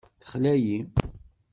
Texla-yi.